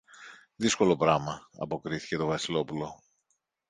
Δύσκολο πράμα, αποκρίθηκε το Βασιλόπουλο.